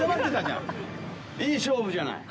いい勝負じゃない？